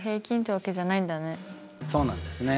そうなんですね。